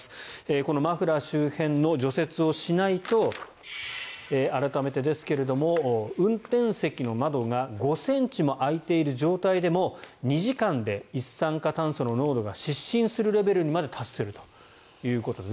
このマフラー周辺の除雪をしないと改めてですが、運転席の窓が５ｃｍ開いている状態でも２時間で一酸化炭素の濃度が失神するレベルにまで達するということです。